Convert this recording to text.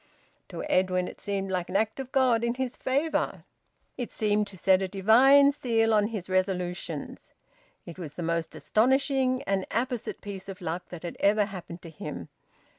To Edwin, it seemed like an act of God in his favour. It seemed to set a divine seal on his resolutions. It was the most astonishing and apposite piece of luck that had ever happened to him.